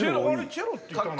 チェロっていたな。